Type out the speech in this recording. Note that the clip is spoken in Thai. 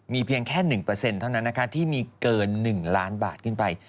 มีเพียงแค่๑เท่านั้นนะคะที่มีเกิน๑ล้านบาทขึ้นไป